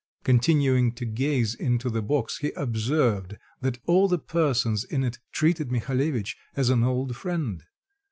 Continuing to gaze into the box, he observed that all the persons in it treated Mihalevitch as an old friend.